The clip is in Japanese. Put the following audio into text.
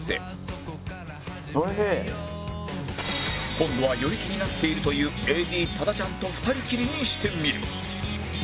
今度はより気になっているという ＡＤ 多田ちゃんと２人きりにしてみる